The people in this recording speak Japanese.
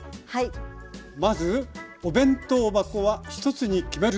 まず「お弁当箱は１つに決める」。